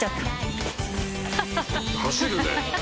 走るね。